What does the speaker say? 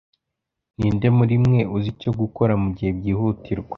Ninde muri mwe uzi icyo gukora mugihe byihutirwa?